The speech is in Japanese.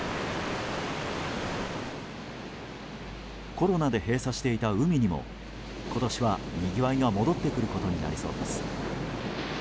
コロナで閉鎖していた海にも今年は、にぎわいが戻ってくることになりそうです。